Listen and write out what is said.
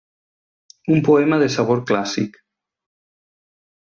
Un poema de sabor clàssic.